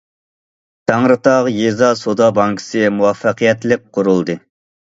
تەڭرىتاغ يېزا سودا بانكىسى مۇۋەپپەقىيەتلىك قۇرۇلدى.